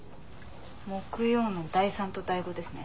木曜の第３と第５ですね。